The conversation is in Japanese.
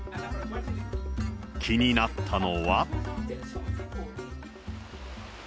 気になったのは。